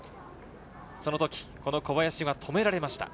その時、小林は止められました。